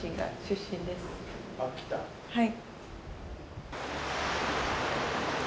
はい。